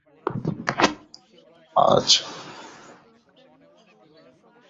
লোলা আজ কেমন ছিল?